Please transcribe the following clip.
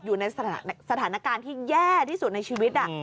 อยู่ในสถานการณ์ที่แย่ที่สุดในชีวิต